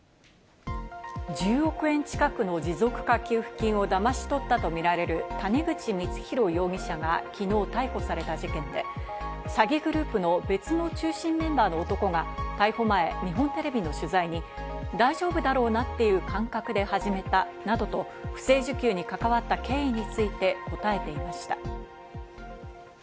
１０億円近くの持続化給付金をだまし取ったとみられる谷口光弘容疑者が昨日逮捕された事件で、詐欺グループの別の中心メンバーの男が逮捕前、日本テレビの取材に大丈夫だろうなっていう感覚で始めたなどと不正受給に関わった経緯について答えていました。